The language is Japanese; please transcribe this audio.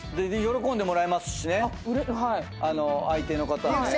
喜んでもらえますしね相手の方にね。